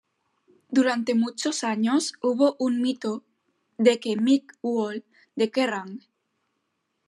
Durante muchos años hubo un mito de que Mick Wall de Kerrang!